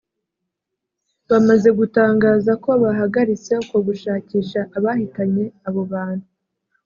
bamaze gutangaza ko bahagaritse uko gushakisha abahitanye abo bantu